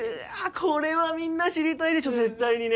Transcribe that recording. これはみんな知りたいでしょ絶対にね。